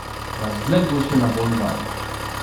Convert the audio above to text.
"Rozległy się nawoływania."